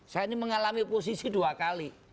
saya ini mengalami posisi dua kali